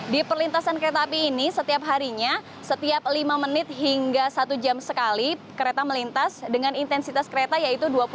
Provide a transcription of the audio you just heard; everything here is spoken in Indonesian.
di perlintasan kereta api ini setiap harinya setiap lima menit hingga satu jam sekali kereta melintas dengan intensitas kereta yaitu dua puluh